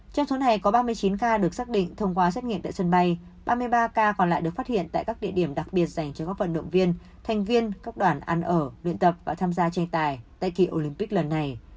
trong số này có ba mươi chín ca được xác định thông qua xét nghiệm tại sân bay ba mươi ba ca còn lại được phát hiện tại các địa điểm đặc biệt dành cho các vận động viên thành viên các đoàn ăn ở luyện tập và tham gia tranh tài tại kỳ olympic lần này